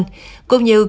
cũng như cơ quan chức năng